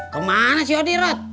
kemana sih odirat